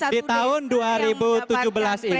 di tahun dua ribu tujuh belas ini